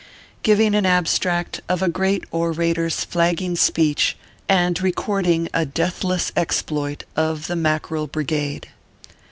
GIVIXG AN ABSTRACT OF A GREAT ORATOR S FLAGGING SPEECH, AND RECORDING A DEATHLESS EXPLOIT OF THE MACKEREL BRIGADE.